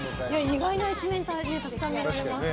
意外な一面たくさん見られました。